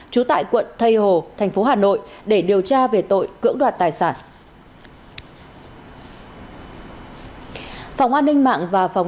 trú tại quận tây hồ thành phố hà nội để điều tra về tội cưỡng đoạt tài sản